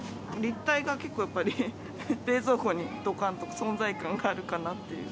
立体が結構やっぱり、冷蔵庫にどかんと存在感があるかなって。